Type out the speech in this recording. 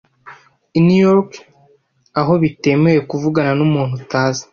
I New York aho bitemewe kuvugana n'umuntu utazi